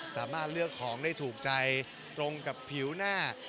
สามารถเลือกของได้ถูกใจตรงกับผิวหน้า